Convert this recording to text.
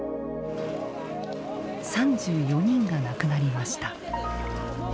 ３４人が亡くなりました。